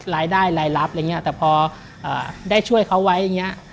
รายได้รายรับอะไรอย่างนี้แต่พอได้ช่วยเขาไว้อย่างนี้